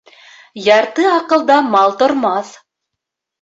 Ярты аҡылда мал тормаҫ.